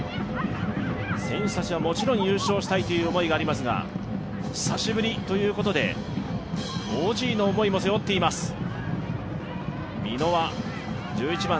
選手たちはもちろん優勝したいという思いがありますが久しぶりということで、ＯＧの思いも背負っています。